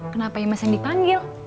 kenapa ya mas yang dipanggil